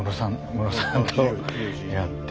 ムロさんとやって。